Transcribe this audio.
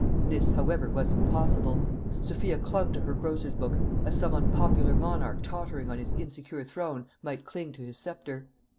This, however, was impossible. Sophia clung to her grocer's book as some unpopular monarch tottering on his insecure throne might cling to his sceptre.